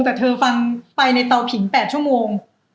แต่เธอฟังไปในเตาขิง๘ชั่วโมง